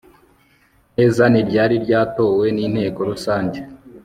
neza n iryari ryatowe n inteko rusange